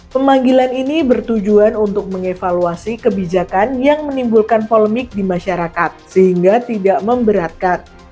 pemanggilan ini bertujuan untuk mengevaluasi kebijakan yang menimbulkan polemik di masyarakat sehingga tidak memberatkan